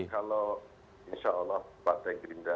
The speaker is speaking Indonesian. kalau insya allah pak tgb